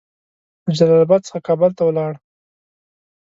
له جلال اباد څخه کابل ته ولاړ.